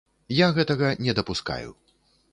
Я гэтага не дапускаю.